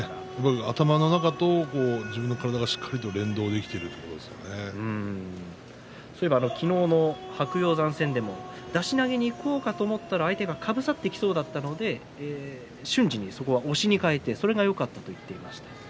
頭の中と自分の体がしっかりと連動できている昨日の白鷹山戦でも出し投げにいこうかと思ったら相手がかぶさってきそうだったので瞬時にそこを押しに変えてそこがよかったと言っていました。